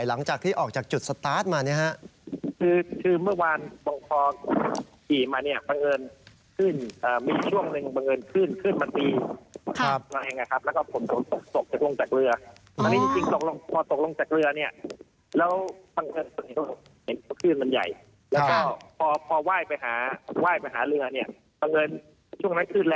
หลังจากที่ออกจากจุดสตาร์ทมานี่คะ